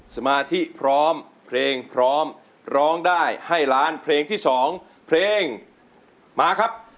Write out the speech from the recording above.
สมาธิพร้อมเพลงพร้อมร้องได้ให้ล้านเพลงที่๒เพลงมาครับ